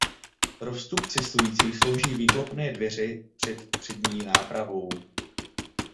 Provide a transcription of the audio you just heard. Pro vstup cestujících slouží výklopné dveře před přední nápravou.